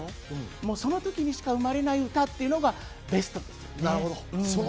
その時にしか生まれない歌っていうのがベストですよね。